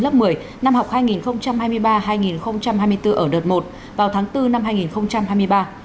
lớp một mươi năm học hai nghìn hai mươi ba hai nghìn hai mươi bốn ở đợt một vào tháng bốn năm hai nghìn hai mươi ba